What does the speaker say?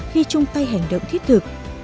khi chung tay hành động thiết thực